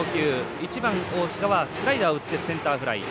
１番大塚はスライダーを打ってセンターフライ。